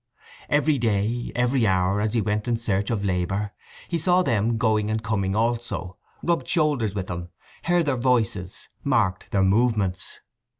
Every day, every hour, as he went in search of labour, he saw them going and coming also, rubbed shoulders with them, heard their voices, marked their movements.